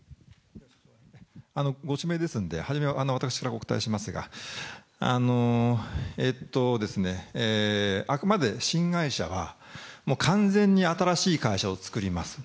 ご指名ですので、初め、私からお答えいたしますが、あくまで新会社は、もう完全に新しい会社を作ります。